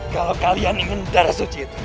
kalau kalian ingin darah suci itu